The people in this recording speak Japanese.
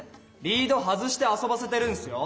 リード外して遊ばせてるんすよ。